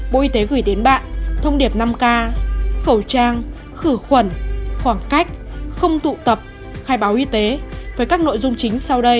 bộ y tế gửi đến bạn thông điệp năm k khẩu trang khử khuẩn khoảng cách không tụ tập khai báo y tế với các nội dung chính sau đây